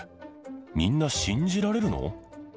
みんな信じられるの？